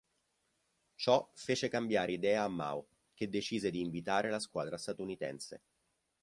Ciò fece cambiare idea a Mao, che decise di invitare la squadra statunitense.